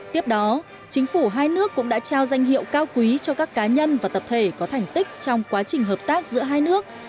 tiếp đó chính phủ hai nước cũng đã trao danh hiệu cao quý cho các cá nhân và tập thể có thành tích trong quá trình hợp tác giữa hai nước